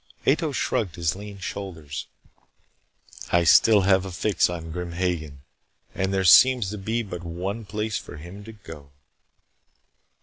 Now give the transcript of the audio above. Ato shrugged his lean shoulders. "I still have a fix on Grim Hagen. And there seems to be but one place for him to go."